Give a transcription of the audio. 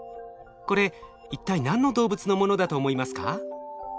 これ一体何の動物のものだと思いますか？